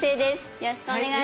よろしくお願いします。